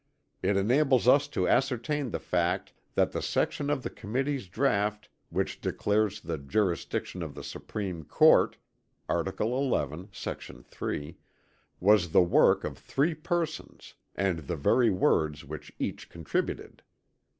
It enables us to ascertain the fact that the section of the Committee's draught which declares the jurisdiction of the Supreme Court (Art. XI, sec. 3), was the work of three persons; and the very words which each contributed.